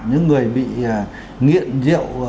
những người bị nghiện rượu